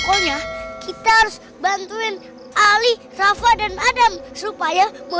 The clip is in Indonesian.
hai nah pokoknya kita harus bantuin ali rafa dan adam supaya berubah